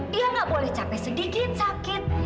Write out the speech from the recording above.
dia nggak boleh capek sedikit sakit